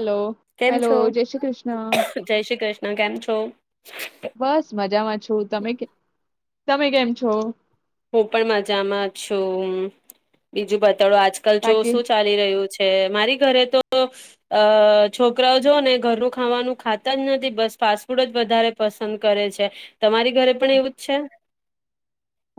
Hello કેમ hello, છો? જય શ્રી કૃષ્ણ, જય શ્રી કૃષ્ણ કેમ છો? બસ મજામાં છું. તમે કે તમે કેમ છો? હું પણ મજામાં છું. બીજું બધ તળો આજકાલ જો બાકી શું ચાલી રહ્યું છે. મારી ઘરે તો અ છોકરાઓ જો ને ઘરનું ખાવાનું ખાતા જ નથી બસ ફાસ્ટફૂડ જ વધારે પસંદ કરે છે. તમારી ઘરે પણ એવું જ છે.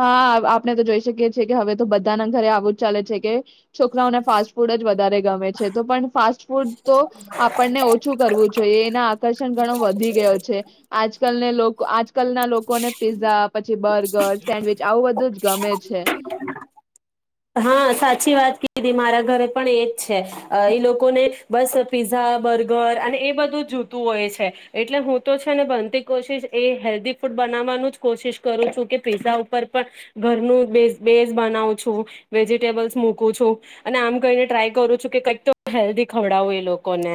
હા આપણે તો જોઈ શકીએ છીએ. કે હવે તો બધાના ઘરે આવું જ ચાલે છે કે છોકરાઓને ફાસ્ટ ફૂડ જ વધારે ગમે છે. તો પણ ફાસ્ટ ફૂડ તો આપણને ઓછું કરવું જોઈએ. એના આકર્ષણ ઘણો વધી ગયો છે. આજકાલને લોકો આજ કલ ના લોકોને પીઝા પછી બર્ગર્સ સેન્ડવચ આવું બધું જ ગમે છે. હા સાચી વાત કીધી મારા ઘરે પણ એજ છે. એ લોકોને બસ પીઝા બર્ગર અને એ બધું જ જોતું હોય છે. એટલે હું તો છે ને બનતી કોશિશ એ હેલ્ધી ફૂડ બનાવવાનું જ કોશિશ કરું છું, કે પીઝા ઉપર પણ ઘરનું બે બેઝ બનાવું છું. વેજીિટેબલ્સ મૂકું છું અને આમ કહીને ટ્રાય કરું છું કે કઈક તો હેલ્ધી ખવડાવું એ લોકોને.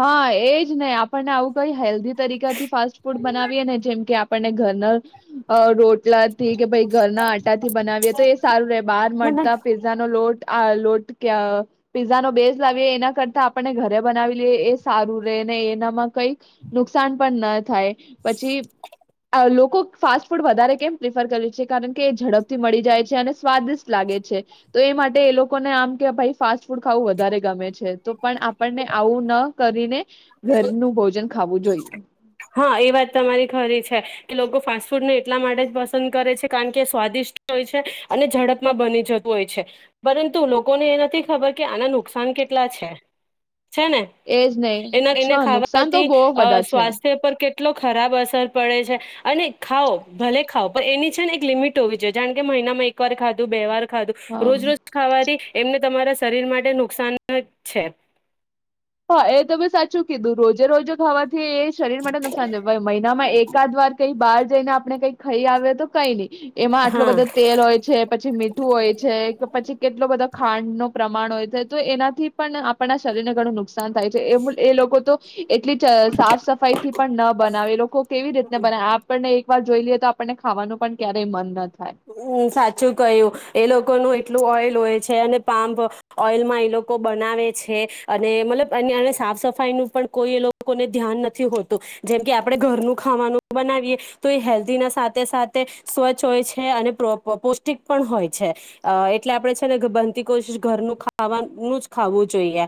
હા એજ નહી આપણને આવું કઈ હેલ્ધ તરીકાથી ફાસ્ટ ફૂડ બનાવીએ. ને જેમ કે આપણે આપને ઘરના રો ટલાથી કે ભાઈ ઘરના આટા થી બનાવીએ તો એ સારું ર બહાર મને મળતા પેઝા નો લોટ પીઝા નો બેઝ લાવીએ એના કરતા આપને ઘરે બનાવી. એ સારું રે ને એનામાં કઈક નુકસાન પણ ન થાય પછી લોકો ફાસ્ટ ફૂડ વધારે કેમ પ્રિફર કરે છે. કારણ કે ઝડપથી મળી જાય છે, અને સ્વાદિષ્ટ લાગે છે. તો એ માટે એ લોકોને આમ કે ભાઈ ફાસ્ટ ફૂડ ખાવું વધારે ગમે છે તો. પણ આપણને આવું ન કરીને. ઘરનું ભોજન ખાવું જોઈએ. હા એ વાત તમારી ખરી છે કે લોકો ફાસ્ટ ફૂડને એટલા માટે જ પસંદ કરે છે. કારણ કે સ્વાદિષ્ટ હોય છે. અને ઝડપમાં બની જતું હોય છે. પરંતુ લોકોને એ નથી ખબર કે આના નુકસાન કેટલા છે. છે ને એજ નહી એના છ એને નુકસાન તો ખાવાથી બહ અ બધા છે. સ્વાસ્થ્ય પર કેટલો ખરાબ અસર પડે છે. અને ખાઓ ભલે ખાઓ પણ એની છે, ને એક લિમિટ હોવી જોઈએ. જાણ કે મહિનામાં એક વાર ખાધું બે વાર. ખાધું હા. રોજ રોજ ખાવાથી એમને તમારા શરીર માટે નુકસાન જ છે. હા એ તમે સાચું કીધું રોજે રોજે ખાવાનું એ શરીર માટે નુકસાન મહિનામાં એકાદ વાર કઈ બાર જઈને આપડણે કઈ ખાઈ આવે તો કઈ નઈ. એમાં આટલો બધો હા તેલ હોય છે. પછી મીઠું હોય છે, પછી કેટલો બધો ખાંડ ન પ્રમાણ થાય તો એનાથી પણ આપણના શરીરને ઘણું નુકસાન. થાય છે. એ લોકો તો એટલી જ સાફ સફાઈ થી પણ ના બનાવે એ લોકો કેવી રીતને બનાવે આપણને. વાર જોઈ લઈએ તો આપણને ખાવાનું પણ ક્યારેય મન નથી. હમ સાચું કહ્યું. એ લોકોનું એટલું ઓઇલ હોય છે અને પામપ ઓઇલમાં એ લોકો બનાવે છે અને મતલબ એ સાફ સફાઈ નું પણ કોઈ એ લોકોને ધ્યાન નથી હોતું જેમ કે આપણે ઘરનું ખાવાનું બનાવીએ તો એ હેલ્ધી ના સાથે સાથે સ્વચ્છ હોય છે. હે અને પ્રો પૌષ્ટિક પણ હોય છે અ એટલે આપણે છે ને બનતી કોશિશ ઘરનું ખાવાનું જ ખાવું જોઈએ.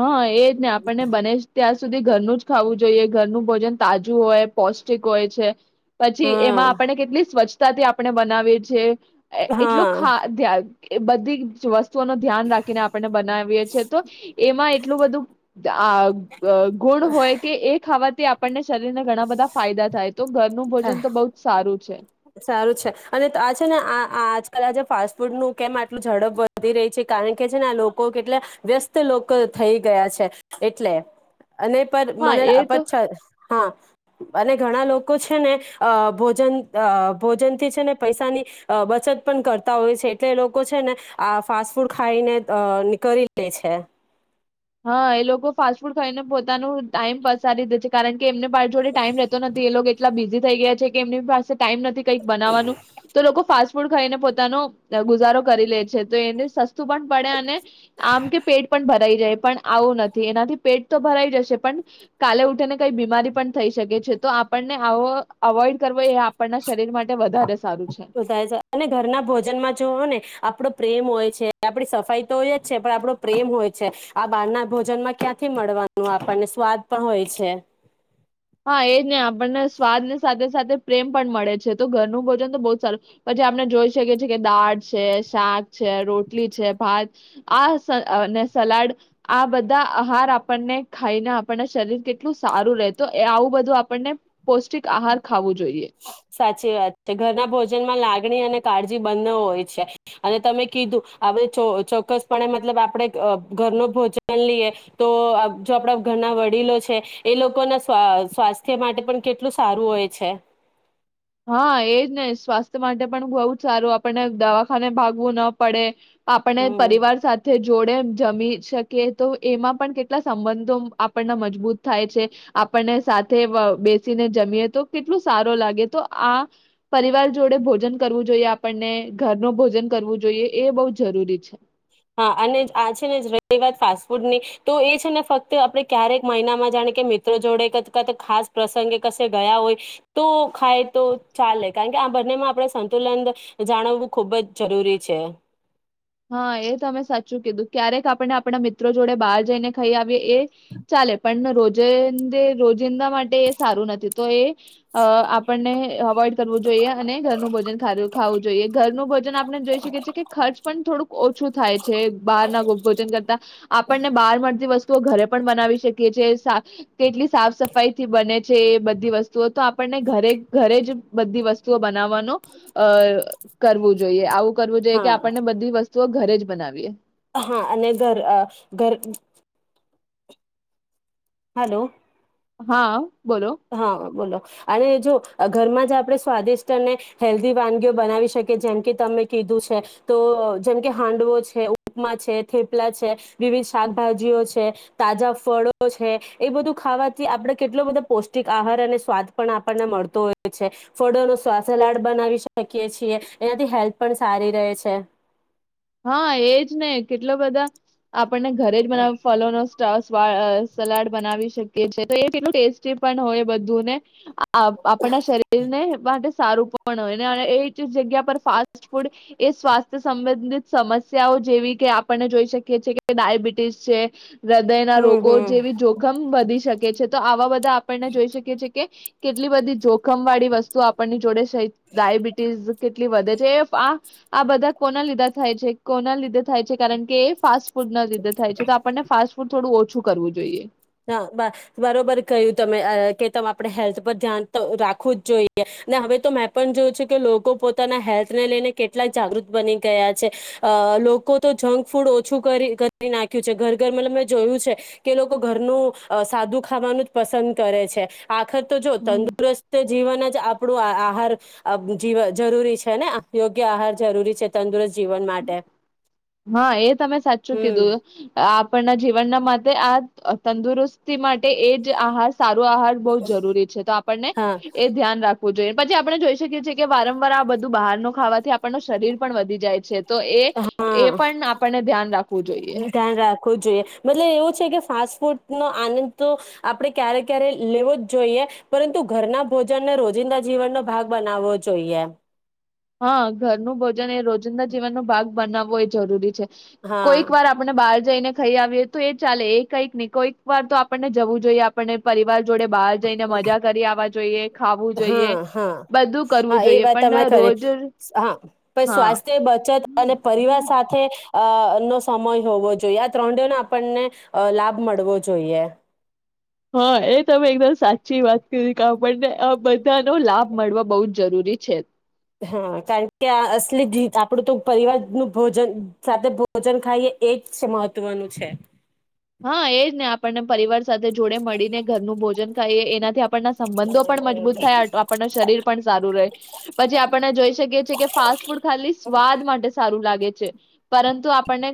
હા એ જ ને આપણને બને જ ત્યાં સુધી ઘરનું જ ખાવું જોઈએ, ઘરનું ભોજન તાજું હોય, પૌષ્ટિક હોય છે. પછી હા એમાં આપણને કેટલી સ્વચ્છ તા થી આપણે બનાવીએ છીએ. એટલું ખા હા ધ્યા એ બધી જ વસ્તુ ઓનું ધ્યાન રાખીને આપણને બનાવીએ છીએ તો એમાં એટલું બધું આ અ ગુણ હોય કે એ ખાવાથી આપ શરીર ને ઘણા બધા ફાયદા થાય તો [unintelligible] એનું ભોજન તો બઉ જ સારું. છે. સારું છે અને ત આ છે ને આ આ આજકાલના જે ફાસ્ટ ફૂડનું કેમ આટલું ઝડપ વધી રય છે કારણ કે છે ને આ લોકો કેટલા વ્યસ્ત લોકો થઈ ગયા છે એટલે. અને પન હા મને એ તો [unintelligible] હા અને ઘણા લોકો છે ને અ ભોજન અ અ ભોજનથી છે ને પૈસાની અ બચત પણ કરતા હોય છે એટલે એ લોકો છે ને આ ફાસ્ટ ફૂડ ખાઈને દ અ ની કરી લે છે. હા, એ લોકો ફાસ્ટ ફૂડ ખાઈને પોતાનું ટાઈમ પસારી દે છે, કારણ કે એમને પા જોડે ટાઈમ રેતો નથી, એ લોકો એટલા બિઝી થઈ ગયા છે કે એમની પાસે ટાઈમ નથી. કંઈક બનાવાનું તો લોકો ફાસ્ટ ફૂડ ખાઈને પોતાનો ગુઝારો કરી લે છે તો એને સસ્તું પણ પડે અને આમ કે પેટ પણ ભરાઈ જાય. પણ આવું નથી, એનાથી પેટ તો ભરાઈ જશે પણ કાલે ઉઠીને કઈ બીમારી પણ થઈ શકે છે, તો આપણને આવો અવોઈડ કરવો એ આપણના- શરીર માટે વધારે સારું છે. [unintelligible] છે અને ઘરના ભોજનમાં જોઓ ને આપડો પ્રેમ હોય છે, આપડી સફાઈ તો હોય જ છે, પણ આપણો પ્રેમ હોય છે, આ બહારના ભોજનમાં ક્યાંથી મળવાનું આપણને સ્વાદ પણ હોય છે. હા, એજ ને આપણને સ્વાદની સાથે સાથે પ્રેમ પણ મળે છે, તો ઘરનું ભોજન તો બહુ જ સારું, પછી આપને જોઈ શકીએ છે કે દાળ છે, શાક છે, રોટલી છે, ભાત આ સ અને સલાડ આ બધા આહાર આપણને ખાઈને આપણને શરીર કેટલું સારું રે. તો એ આવું બધું આપણને પૌષ્ટિક આહાર ખાવું જોઈએ. ચી વાત છે, ઘરના ભોજનમાં લાગણી અને કાળજી બંને હોય છે અને તમે કીધું આપણે ચો ચોક્કસપણે મતલબ આપણે અ ઘરનું ભોજન લીએ, તો અ જો આપડા ઘરના વડીલો છે એ લોકોના સ્વા સ્વાસ્થ્ય માટે પણ કેટ ટલું સારું હોય છે. હા, એજ ને, સ્વાસ્થ્ય માટે પણ બહુ જ સારું, આપણને દવાખાને ભાગવું ન પડે. આપણને હમ પરિવાર સાથે જ જોડે જમી શકીએ તો એમાં પણ કેટલા સંબંધો આપણને મજબૂત થાય છે, આપણને સાથે વ બેસીને જમીએ તો કેટલું સારુ લાગે તો આ પરિવાર જોડે ભોજન કરવું જોઈએ, આપણને ઘરનું ભોજન કરવું જોઈએ, એ બઉ જરૂરી છે. હા અને જ, આ છે ને જ રહી વાત ફાસ્ટ ફૂડની તો એ છે ને ફક્ત આપણે ક્યારેક મહિનામાં જાણે કે મિત્રો જોડે ક [unintelligible] ખાસ પ્રસંગે કશે ગયા હોય તો ખાય તો ચાલે, કારણકે આ બંનેમાં આપણે સંતુલન જ જાણવવું ખૂબ જ જરૂરી છે. હા એ તમે સાચું કીધું, ક્યારેક આપણને આપણા મિત્રો જોડે બહાર જઈને ખઈ આવીએ એ ચાલે, પણ રોજંદે રોજિંદા માટે એ સારું નથી તો એ અ આપણને અવોઈડ કરવું જોઈએ અને ઘરનું ભોજન ખારુ ખાવું જોઈએ, ઘરનું ભોજન આપને જોઈ શકીએ છીએ કે ખર્ચ થોડુંક ઓછું થાય છે, બહારના ભ ભોજન કરતા આપણને બહાર મળતી વસ્ તો ઘરે પણ બનાવી શકીયે છે, સા કેટલી સાફ સફાઈથી બને છે એ બધી વસ્તુઓ તો આપણને ઘરે ઘરે જ બધી વસ્તુઓ બનાવવાનું અ કરવું જોઈએ, આવુ કરવું જોઈએ કે હા. આપ પણને બધી વસ્ તો ઘરે જ બનાવીએ. હા અને ઘર અ ઘર હાલો. હા. બોલો હા બોલો અને જો ઘરમાં જ આપણે સ્વાદિષ્ટ અને હેલ્ધી વાનગીઓ બનાવી શકીએ જેમ કે તમે કીધું છે તો અ જેમકે હાંડવો છે, ઉપમા છે, થેપલા છે વિવિધ શાકભાજીઓ છે તાજા ફળો છે એ બધું ખાવાથી આપણે કેટલો બધો પૌષ્ટિક આહાર અને સ્વાદ પણ આપણને મળતો હોય છે ફળોનો શ્વા સલાડ બનાવી શકીએ છીએ એનાથી હેલ્થ પણ સારી રહે છે. હા એજ ને કેટલા બધા આપણને ઘરે જ બના ફલો નો શ્વ સ સલાડ બનાવી શક કે છે તો એ કેટલું ટેસ્ટી પણ હોય બધુંને આ આપણા શરીર ને માટે સારું પણ હોયને એ જ જગ્યા પર ફાસ્ટ ફૂડ એ સ્વાસ્થ્ય સંબંધિત સમસ્યાઓ જેવી કે આપણને જોઈ શકીએ છીએ કે ડાયાબિટીસ છે હૃદય ના હમ રોગો હમ જેવી જોખમ વધી શક શકે છે તો આવા બધા આપણને જોઈ શકીએ છીએ કે કેટલી બધી જોખમ વાળી વસ્તુ આપણની જોડે ઈ ડાયબિટીસ કે કેટલી વધે છે એ ફ આ બધા કોના લીધા થાય છે કોના લીધે થાય છે કારણ કે એ ફાસ્ટ ફૂડ ના લીધે થાય છે તો આપણને ફાસ્ટ ફૂડ થોડું ઓછું કરવું જોઈએ. હા બ બરોબર ક્યું તમે અ કે ત આપણે હેલ્થ પર ધ્યાન તો રાખવું જ જોઈએ ને હવે તો મેં પણ જોયું છે કે લોકો પોતાના હેલ્થને લઈને કેટલા જાગૃત બની ગયા છે અ લોકો તો જંક ફૂડ ઓછું કરી-કરી નાખ્યું છે ઘર-ઘર મતલબ મેં જોયું છે કે એ લોકો ઘરનું અ સાદું ખાવાનું જ પસંદ કરે છે આખ તો જો તંદુરસ્ત જીવન જ આપણું આ આહાર બ જી જરૂરી છે ને યોગ્ય આહાર જરૂરી છે તંદુરસ્ત જીવન માટે. હા, એ તમે સાચું હમ કીધું આપ પના જીવનના માટે આ અ તંદુરસ્તી માટે એ જ આહાસ સારું આહાર બવ જરૂરી છે તો આપણને હા એ ધ્યાન રાખ જોઈએ પછી આપણે જોઈ શકીએ છીએ કે વારંવાર આ બધું બહાર નું ખાવાથી આપણનો શરીર પણ વધી જાય છે તો એ હા એ પણ આપણને ધ્યાન રાખવું જોઈએ. ખવુ જોઈએ મતલબ એવું છે કે ફાસ્ટ ફૂડ નો આનંદ તો આપણે ક્યારે-ક્યારે લેવો જ જોઈએ પરંતુ ઘરના ભોજનને રોજિંદા જીવનનો ભાગ બનાવવો જોઈએ. હા ઘરનું બધું ને રોજિંદા જીવનનું ભાગ બનાવવો એ જરૂરી છે. હા કોઈક વાર આપણને બાહા જઈને ખાઈ આવીએ તો એ ચાલે એ કંઈક નહીં, કોઈક વાર તો આપણને જવું જોઈએ આપણને પરિવાર જોડે બહાર જઈને મજા કરી આવવા જોઈએ, ખાવું જોઈએ હા હા બધું કરવું હા એ જોઈએ વાત પણ તમે ખરી રોજ હા પણ હા સ્વાસ્થ્ય બચત અને પરિવાર સાથે અ નો સમય હોવો જોઈએ. આ ત્રણ ડે નો આપણને લાભ મળવો જોઈએ. હા એ તમે એકદમ સાચી વાત કરી આપણને આ બધાનો લાભ મળવા બહુ જ જરૂરી છે. હા કારણ કે અસલી આપડું તો પરિવારનું ભોજન સાથે ભોજન ખાઈએ એ જ છે મહત્વનું છે. હા એજ ને આપણને પરિવાર સાથે જોડે મળીને ઘરનું ભોજન ખાઈ એનાથી આપ આપણા સંબંધો પણ મજબૂત થાય. આપણના શરીર પણ સારું રહે પછી આપને જોઈ શકીએ છીએ કે ફાસ્ટ ફૂડ ખાલી સ્વાદ માટે સારું લાગે. પરંતુ આપણને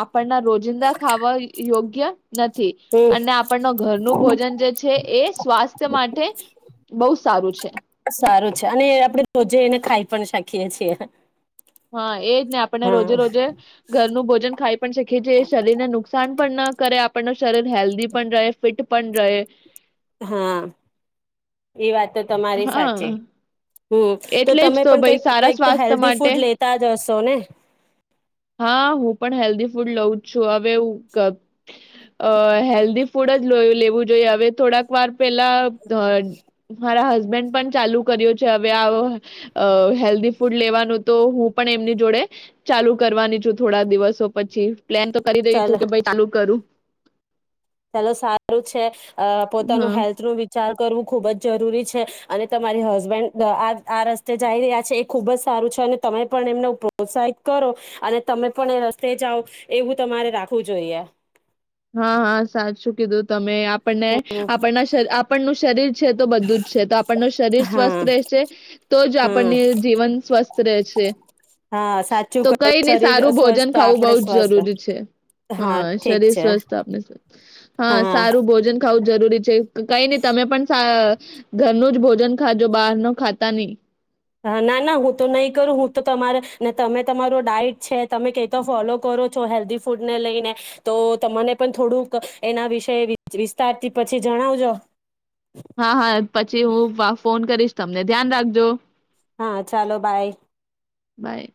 આપણના રોજિંદા ખાવાનું. યોગ્ય. નથી હમ અને આપણ ઘરનું ભોજન જે છે એ સ્વાસ્થ્ય માટે બહુ સારું છે. સારું શખીએ છેએ. હા એજ ને આપને રોજે રોજે ઘરનું ભોજન ખાઈ પણ શકીએ છીએ. શરીરને નુકસાન પણ ના કરે આપ શરીર હેલ્ધી પણ રહે. ફિટ પણ રહે. હા એ વાત તો તમારી સાચી. હા. હમ તો એટલે જ તમે પણ ભઈ કંઈક સારા કંઈક તો સ્વાસ્થ્ય હેલ્ધી માટે ફૂડ લેતા જ હશો. હશો ને? હા હું પણ હેલ્ધી ફૂડ લઉં છું હવે. અ હેલ્ધી ફૂડ જ લેવું જોઈએ હવે થોડાક વાર પેલા મારા હસબન્ડ પણ ચાલુ કર્યો છે હવે હેલ્ધી ફૂડ લેવાનું તો હું પણ એમની જોડે ચાલુ કરવાની છુ થોડા દિવસો પછી. પ્લેન તો કરી રહી છું કે ભાઈ ચાલુ કરું. ચલો સારું છે. અ પોતાનું હા. હેલ્થનું વિચાર કરવું ખૂબ જ જરૂરી છે અને તમારી હસબન્ડ આ આ રસ્તે જઈ રહ્યા છે એ ખુબ જ સારું છે અને તમે પણ એમને પ્રોત્સાહિત કરો અને તમે પણ એ રસ્તે જાઓ એવું તમારે રાખવું જોઈએ. હા હા સાચું કીધું તમે આપ આપણને હમ આપણના શર આપણનું શરીર છે તો બધું જ છે તો આપણ ન શરીર હા સ્વસ્થ રહેશે તો જ હમ આપણને જીવન સ્વસ્થ રહેશે. હા સાચું તો કહ્યું કઈને શરીર સારું સ્વસ્થ ભોજન તો ખાવું બહુ આપડે જ સ્વસ્થ જરૂરી છે. હા ઠીક શરીર છે સ્વસ્થ હા હા સારું ભોજન ખાવું જરૂરી છે કઈ નહી તમે પણ સા ઘરનું જ ભોજન ખાજો બહાર ન ખાતા નહી. હા ના ના હું તો નહીં કરું હું તો તમારે ને તમે તમારો ડાઈટ છે તમે ક તો ફોલો કરો છો હેલ્ધી ફૂડને લઈને તો તમને પણ થોડુંક એના વિશે વિસ્તારથી પછી જણાવજો. હા હા પછી હું ફોન કરીશ. તમને ધ્યાન રાખજો. હા ચાલો બાય. બાય